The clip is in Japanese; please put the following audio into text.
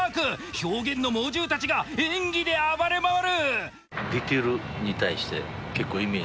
表現の猛獣たちが演技で暴れ回る！